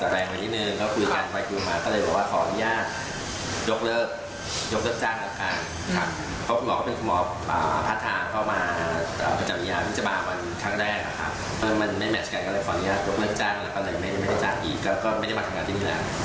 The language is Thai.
เพราะว่ามันก็ก็ค่อยจะแรงหน่อยนิดหนึ่ง